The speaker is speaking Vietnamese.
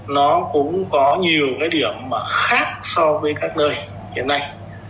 nó cũng có nhiều cái điểm mà khác so với các nơi hiện nay